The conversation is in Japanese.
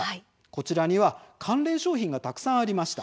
こちらには関連商品がたくさんありました。